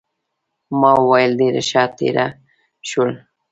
ما وویل ډېره ښه تېره شول.